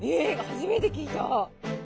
初めて聞いた！